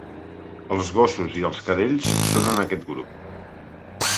Els gossos i els cadells són en aquest grup.